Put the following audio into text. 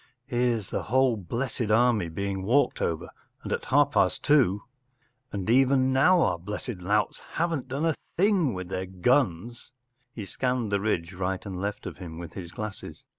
Here’s the whole blessed army being walked over, and at half past two “ And even now our blessed louts haven’t done a thing with their guns ! ” He scanned the ridge right and left of him with his glasses.